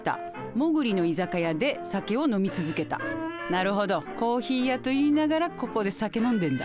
なるほどコーヒー屋といいながらここで酒飲んでんだ。